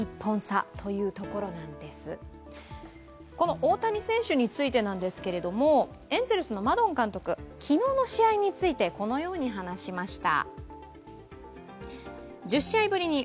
大谷選手についてですけれども、エンゼルスのマドン監督、昨日の試合について、このように話しました。